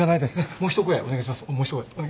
もう一声お願いします。